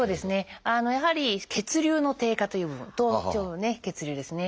やはり血流の低下という部分頭頂部の血流ですね。